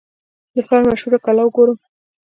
د ښار مشهوره کلا وګورم.